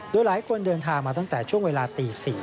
โดยหลายคนเดินทางมาตั้งแต่ช่วงเวลาตี๔